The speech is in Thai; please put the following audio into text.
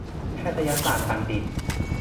แพทยศาสตรบัณฑิต